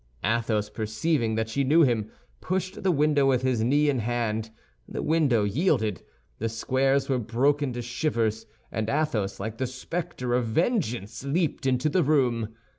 Athos, perceiving that she knew him, pushed the window with his knee and hand. The window yielded. The squares were broken to shivers; and Athos, like the spectre of vengeance, leaped into the room.